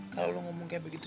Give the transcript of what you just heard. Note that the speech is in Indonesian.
kalau kamu berbicara seperti itu